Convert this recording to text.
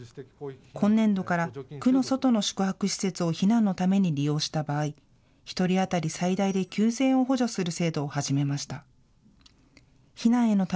今年度から区の外の宿泊施設を避難のために利用した場合、１人当たり最大で９０００円を補助する制度を始めました。